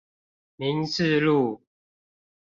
民治路